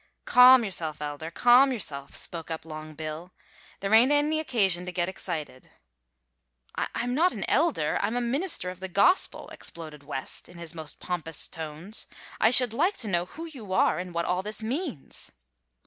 "Calm yourself, elder! Calm yourself," spoke up Long Bill. "There ain't any occasion to get excited." "I'm not an elder; I'm a minister of the gospel," exploded West, in his most pompous tones. "I should like to know who you are and what all this means?"